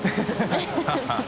ハハハ